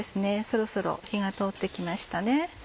そろそろ火が通って来ましたね。